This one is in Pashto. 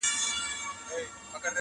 هغه ښکلې نجلۍ نسته مور منګی نه ورکوینه٫